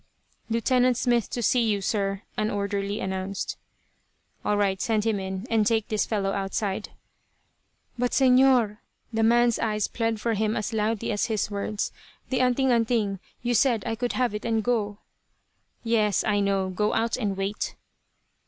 "Lieutenant Smith to see you, sir," an orderly announced. "All right. Send him in; and take this fellow outside." "But, Señor," the man's eyes plead for him as loudly as his words; "the 'anting anting.' You said I could have it and go." "Yes, I know. Go out and wait."